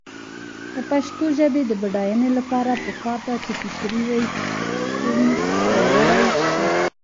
د پښتو ژبې د بډاینې لپاره پکار ده چې فطري ریتم پیاوړی شي.